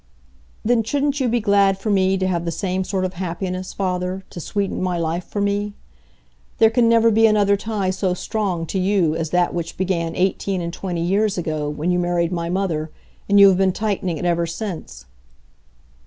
"Then, shouldn't you be glad for me to have the same sort of happiness, father, to sweeten my life for me? There can never be another tie so strong to you as that which began eight and twenty years ago, when you married my mother, and you have been tightening it ever since."